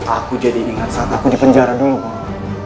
aku jadi ingat saat aku di penjara dulu